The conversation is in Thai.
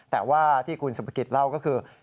แต่ว่าที่คุณสุภกิจเล่าก็คือ